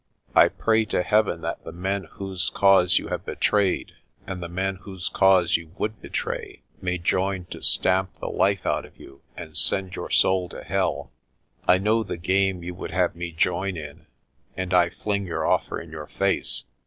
I pray to Heaven that the men whose cause you have betrayed and the men whose cause you would betray may join to stamp the life out of you and send your soul to hell. I know the game you would have me join in and I fling your offer in your face.